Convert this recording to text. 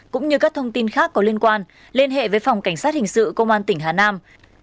cũng như các thông tin khác có liên quan liên hệ với phòng cảnh sát hình sự công an tỉnh hà nam